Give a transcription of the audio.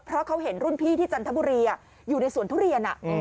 เพราะเขาเห็นรุ่นพี่ที่จันทบุรีอยู่ในสวนทุเรียน